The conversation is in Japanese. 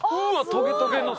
『トゲトゲ』の。